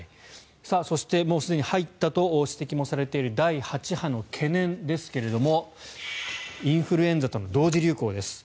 そしてもうすでに入ったとも指摘されている第８波の懸念ですがインフルエンザとの同時流行です。